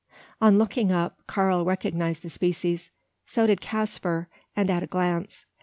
On looking up, Karl recognised the species; so did Caspar, and at a glance.